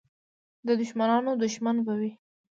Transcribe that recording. د دښمنانو دښمن به وي.